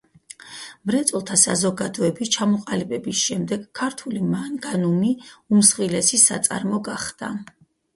მრეწველთა საზოგადოების ჩამოყალიბების შემდეგ, ქართული მანგანუმი უმსხვილესი საწარმო გახდა.